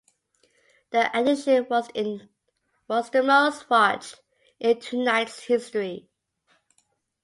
The edition was the most-watched in "Tonight's" history.